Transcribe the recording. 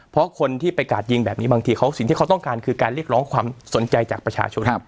เพราะคนที่ไปกาดยิงแบบนี้บางทีเขาสิ่งที่เขาต้องการคือการเรียกร้องความสนใจจากประชาชน